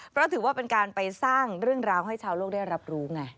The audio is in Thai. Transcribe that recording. เพราะถือว่าเป็นการไปสร้างเรื่องราวให้ชาวโลกได้รับรู้ไง